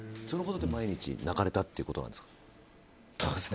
そのことで毎日泣かれたってことですか？